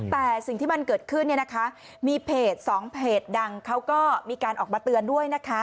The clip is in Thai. แต่สิ่งที่มันเกิดขึ้นเนี่ยนะคะมีเพจ๒เพจดังเขาก็มีการออกมาเตือนด้วยนะคะ